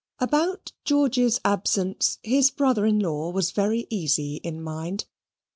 About George's absence, his brother in law was very easy in mind.